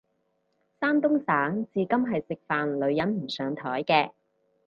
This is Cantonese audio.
山東省至今係食飯女人唔上枱嘅